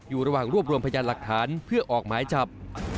อยู่ระหว่างรวบรวมพยานหลักฐานเพื่อออกหมายจับ